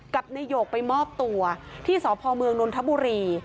กลับในโยกไปมอบตัวที่สพมนธบุรี